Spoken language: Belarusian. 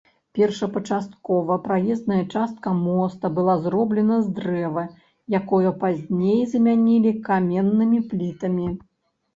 Першапачаткова праезная частка моста была зроблена з дрэва, якое пазней замянілі каменнымі плітамі.